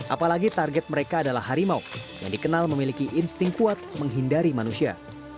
apalagi target mereka adalah harimau yang dikenal memiliki insting kuat menghindari manusia